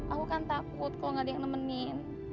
aku kan takut kalau nggak ada yang nemenin